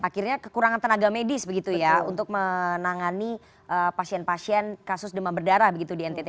akhirnya kekurangan tenaga medis begitu ya untuk menangani pasien pasien kasus demam berdarah begitu di ntt